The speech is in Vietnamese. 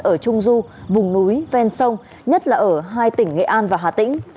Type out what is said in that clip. ở trung du vùng núi ven sông nhất là ở hai tỉnh nghệ an và hà tĩnh